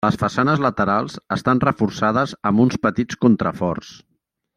Les façanes laterals estan reforçades amb uns petits contraforts.